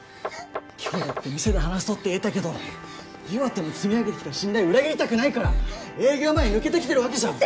今日だって店で話そうって言えたけど優愛との積み上げてきた信頼を裏切りたくないから営業前に抜けて来てるわけじゃん。